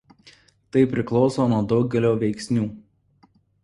Tai priklauso nuo daugelio veiksnių.